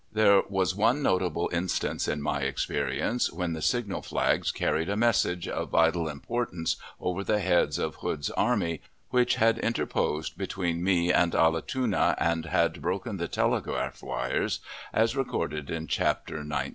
There was one notable instance in my experience, when the signal flags carried a message. of vital importance over the heads of Hood's army, which had interposed between me and Allatoona, and had broken the telegraph wires as recorded in Chapter XIX.